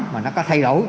mà nó có thay đổi